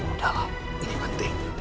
udah lah ini penting